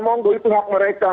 monggo itu hak mereka